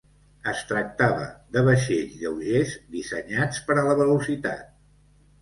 Es tractava de vaixells lleugers dissenyats per a la velocitat.